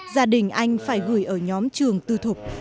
gia đình anh phải gửi ở nhóm trường tư thục